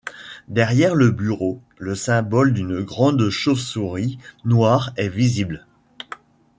Derrière le bureau, le symbole d’une grande chauve-souris noir est visible.